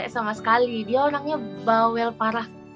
sama sekali dia orangnya bawel parah